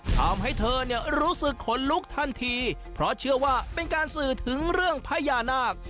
ทำให้เธอเนี่ยรู้สึกขนลุกทันทีเพราะเชื่อว่าเป็นการสื่อถึงเรื่องพญานาค